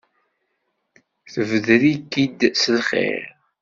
Tebder-ik-id s lxir.